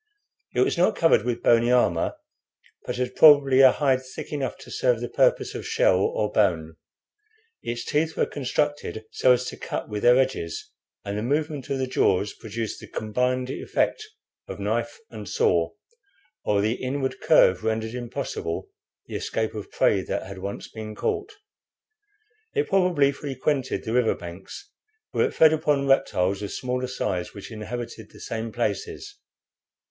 It was not covered with bony armor, but had probably a hide thick enough to serve the purpose of shell or bone. Its teeth were constructed so as to cut with their edges, and the movement of the jaws produced the combined effect of knife and saw, while their inward curve rendered impossible the escape of prey that had once been caught. It probably frequented the river banks, where it fed upon reptiles of smaller size which inhabited the same places.